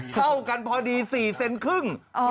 เท่ากันพอดี๔๕เซนติเมตร